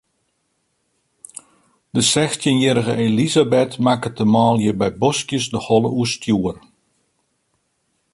De sechstjinjierrige Elisabeth makket de manlju by boskjes de holle oerstjoer.